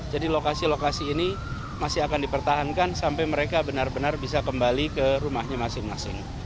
jadi lokasi lokasi ini masih akan dipertahankan sampai mereka benar benar bisa kembali ke rumahnya masing masing